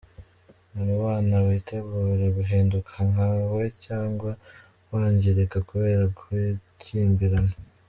Nimubana witegure guhinduka nka we cyangwa kwangirika kubera gukimbirana.